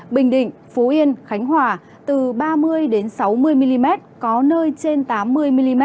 bình định phú yên khánh hòa từ ba mươi sáu mươi mm có nơi trên tám mươi mm